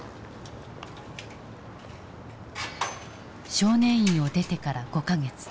少年院を出てから５か月。